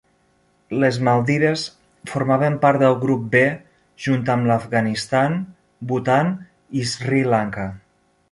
Les Maldives formaven part del grup B junt amb l'Afganistan, Bhutan i Sri Lanka.